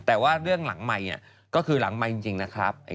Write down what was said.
แต่ว่าเรื่องหลังใหม่ก็คือหลังใหม่จริงนะครับ